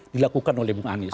dilakukan oleh bung anies